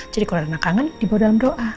jadi kalau reina kangen dibawa dalam doa